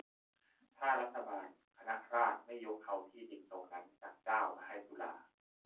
ถ้ารัฐบาลคณะราษฎรไม่ยกเอาที่ดินตรงนั้นจากเจ้ามาให้จุฬา